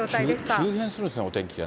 急変するんですね、お天気が。